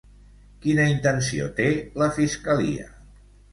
Quina intenció té la fiscalia?